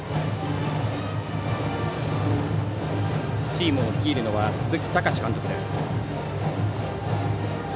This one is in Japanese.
チームを率いるのは鈴木崇監督です。